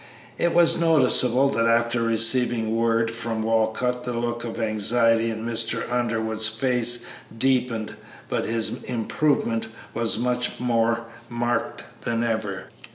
It was noticeable that after receiving word from Walcott the look of anxiety in Mr. Underwood's face deepened, but his improvement was more marked than ever.